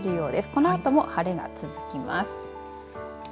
このあとも晴れが続きます。